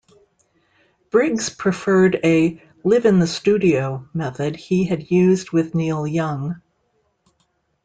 Briggs preferred a "live-in-the-studio" method he had used with Neil Young.